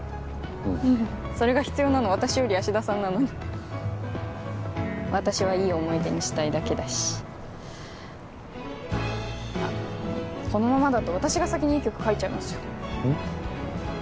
うんそれが必要なの私より芦田さんなのに私はいい思い出にしたいだけだしあっこのままだと私が先にいい曲書いちゃいますようん？